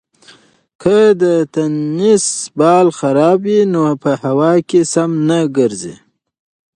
که د تېنس بال خراب وي نو په هوا کې سم نه ګرځي.